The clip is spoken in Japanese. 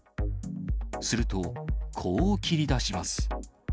すると、こう切り出します。